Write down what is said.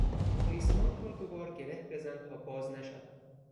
ریسمان را دوبار گره بزن تا باز نشود.